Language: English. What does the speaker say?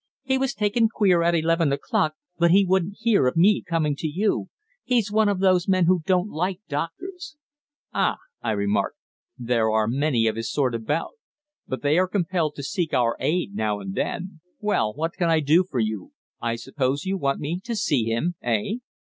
"He was taken queer at eleven o'clock, but he wouldn't hear of me coming to you. He's one of those men who don't like doctors." "Ah!" I remarked; "there are many of his sort about. But they are compelled to seek our aid now and then. Well, what can I do for you? I suppose you want me to see him eh?"